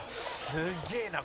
「すげえな。